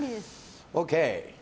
ＯＫ！